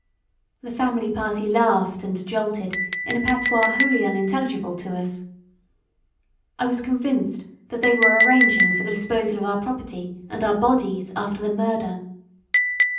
The family party laughed and jolted in a patois wholly unintelligible to us. I was convinced that they were arranging for the disposal of our property and our bodies after the murder.